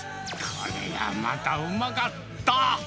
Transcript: これがまたうまかった。